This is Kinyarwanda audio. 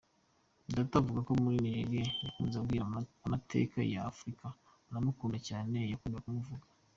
Data avuka muri Nigeria, nakuze ambwira amateka ya Afurika, aramukunda cyane, yakundaga kumuvuga…”.